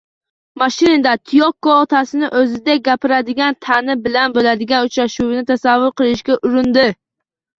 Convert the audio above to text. Mashinada Tiyoko otasining o`zidek gapiradigan Tani bilan bo`ladigan uchrashuvini tasavvur qilishga urindi